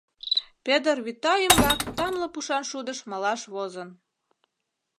Пӧдыр вӱта ӱмбак тамле пушан шудыш малаш возын.